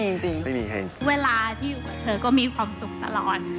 เวลาที่อยู่กับเธอก็มีความสุขตลอด